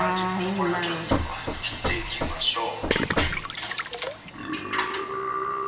これを、ちょっと切っていきましょう。